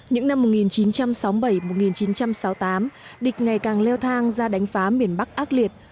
những năm một nghìn chín trăm sáu mươi bảy một nghìn chín trăm sáu mươi tám địch ngày càng leo thang ra đánh phá miền bắc ác liệt